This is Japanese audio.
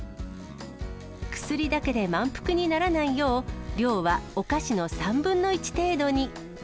薬だけで満腹にならないよう、量はお菓子の３分の１程度に。